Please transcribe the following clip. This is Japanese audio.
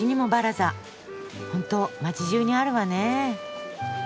ほんと街じゅうにあるわねえ。